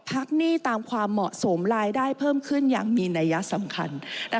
หนี้ตามความเหมาะสมรายได้เพิ่มขึ้นอย่างมีนัยสำคัญ